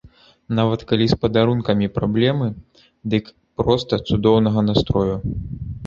Нават калі з падарункамі праблемы, дык проста цудоўнага настрою.